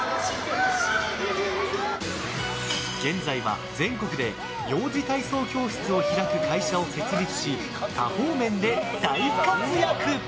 現在は全国で幼児体操教室を開く会社を設立し多方面で大活躍。